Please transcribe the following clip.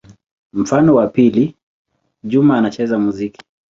Mfano wa pili: Juma anacheza muziki.